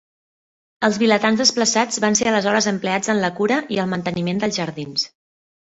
Els vilatans desplaçats van ser aleshores empleats en la cura i el manteniment dels jardins.